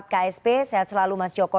ksp sehat selalu mas joko